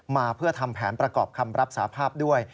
มาเพื่อทำแผนประกอบคำรับสาภาพด้วย